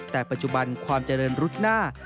แต่ปัจจุบันความเจริญรุดหน้า